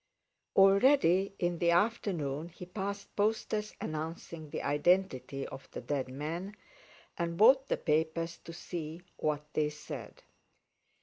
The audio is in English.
Already in the afternoon he passed posters announcing the identity of the dead man, and bought the papers to see what they said.